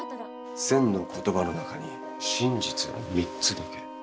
千の言葉の中に真実は三つだけ。